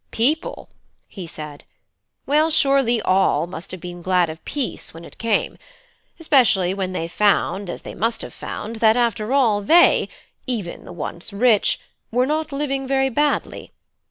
"People?" he said. "Well, surely all must have been glad of peace when it came; especially when they found, as they must have found, that after all, they even the once rich were not living very badly.